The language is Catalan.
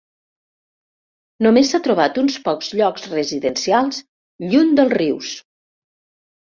Només s'ha trobat uns pocs llocs residencials lluny dels rius.